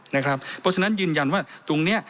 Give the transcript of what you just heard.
เพราะฉะนั้นยืนยันว่าตรงนี้